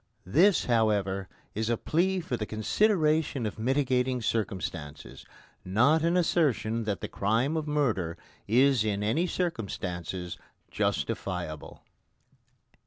This, however, is a plea for the consideration of mitigating circumstances, not an assertion that the crime of murder is in any circumstances justifiable.